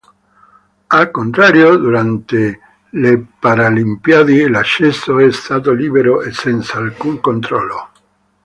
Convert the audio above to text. Al contrario durante le paralimpiadi l'accesso è stato libero e senza alcun controllo.